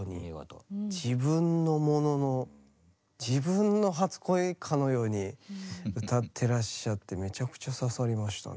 自分のものの自分の初恋かのように歌ってらっしゃってめちゃくちゃ刺さりましたね。